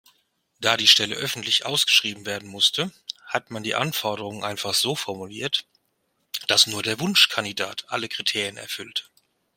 Da die Stelle öffentlich ausgeschrieben werden musste, hat man die Anforderungen einfach so formuliert, dass nur der Wunschkandidat alle Kriterien erfüllte.